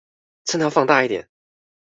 真的要放大一點